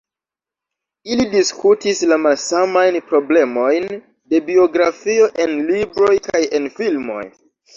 Ili diskutis la malsamajn problemojn de biografio en libroj kaj en filmoj.